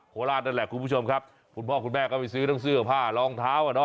ราชนั่นแหละคุณผู้ชมครับคุณพ่อคุณแม่ก็ไปซื้อทั้งเสื้อผ้ารองเท้าอ่ะเนาะ